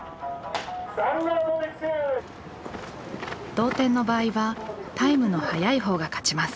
同点の場合はタイムの速いほうが勝ちます。